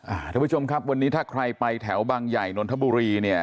ท่านผู้ชมครับวันนี้ถ้าใครไปแถวบางใหญ่นนทบุรีเนี่ย